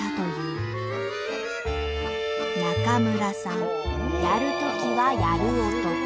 中村さんやるときはやる男。